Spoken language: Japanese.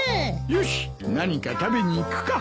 よしっ何か食べに行くか。